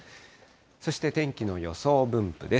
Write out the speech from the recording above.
そして、天気の予想分布です。